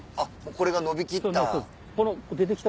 これが伸びきった。